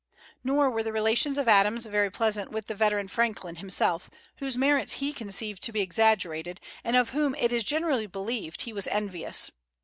Nor were the relations of Adams very pleasant with the veteran Franklin himself, whose merits he conceived to be exaggerated, and of whom it is generally believed he was envious.